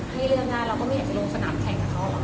ให้เลือกได้เราก็ไม่อยากจะลงสนามแข่งกับเขาหรอก